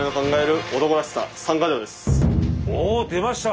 おおっ出ました！